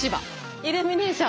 イルミネーション。